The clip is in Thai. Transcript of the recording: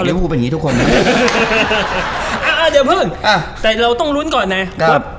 เดี๋ยวเพิ่งแต่เราต้องลุ้นก่อนไง